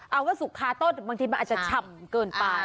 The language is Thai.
เอาว่าสุกคาต้นบางทีมันอาจจะฉ่ำเกินไป